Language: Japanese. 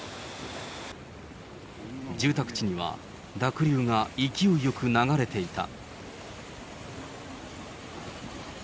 住宅地には濁流が勢いよく流れていた。